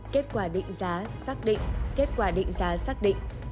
kết quả định giá xác định